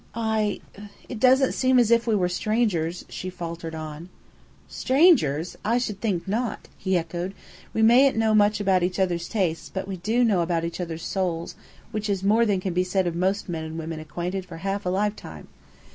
"I it doesn't seem as if we were strangers," she faltered on. "Strangers! I should think not," he echoed. "We mayn't know much about each other's tastes, but we do know about each other's souls, which is more than can be said of most men and women acquainted for half a lifetime.